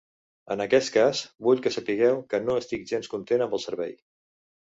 En aquest cas, vull que sapigueu que no estic gens content amb el servei.